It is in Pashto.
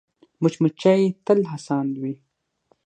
مچمچۍ تل هڅاند وي